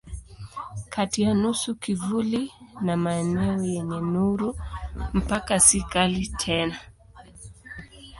Kati ya nusu kivuli na maeneo yenye nuru mpaka si kali tena.